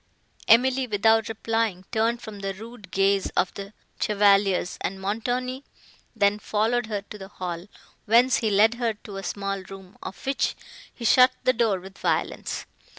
Emily, without replying, turned from the rude gaze of the chevaliers, and Montoni then followed her to the hall, whence he led her to a small room, of which he shut the door with violence.